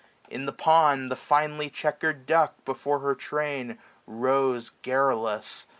In the pond. The finely checker'd duck before her train. Rows garrulous.